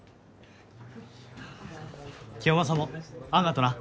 清正もあんがとな。